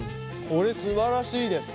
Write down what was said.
これすばらしいです。